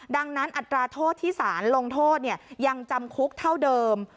ดังนั้นอัตราโทษที่สารลงโทษยังจำคุกเท่าเดิม